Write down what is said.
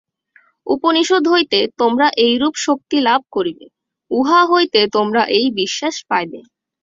উপনিষদ হইতে তোমরা এইরূপ শক্তি লাভ করিবে, উহা হইতে তোমরা এই বিশ্বাস পাইবে।